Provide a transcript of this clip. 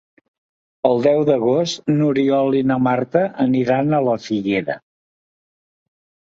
El deu d'agost n'Oriol i na Marta aniran a la Figuera.